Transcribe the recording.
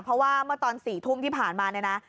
เพราะว่าเมื่อตอน๔ทุ่มที่ผ่านมาเนี่ยนะ